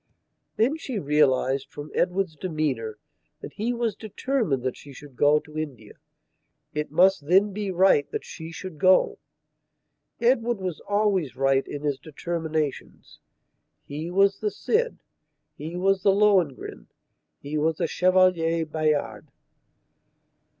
Then she realized from Edward's demeanour that he was determined that she should go to India. It must then be right that she should go. Edward was always right in his determinations. He was the Cid; he was Lohengrin; he was the Chevalier Bayard.